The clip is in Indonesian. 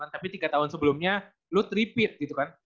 tapi tiga tahun sebelumnya lu teripit gitu kan